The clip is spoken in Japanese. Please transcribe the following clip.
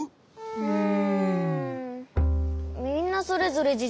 うん。